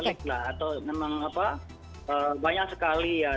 ini memang banyak sekali ya